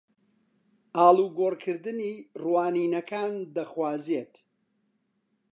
ئاڵوگۆڕکردنی ڕوانینەکان دەخوازێت